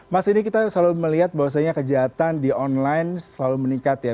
mas ini kita selalu melihat bahwasanya kejahatan di online selalu meningkat ya